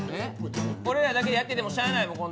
俺らだけでやっててもしょうがないな。